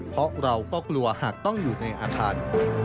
เพราะเราก็กลัวหากต้องอยู่ในอาคาร